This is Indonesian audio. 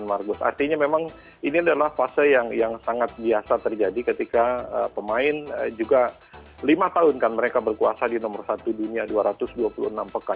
artinya memang ini adalah fase yang sangat biasa terjadi ketika pemain juga lima tahun kan mereka berkuasa di nomor satu dunia dua ratus dua puluh enam pekan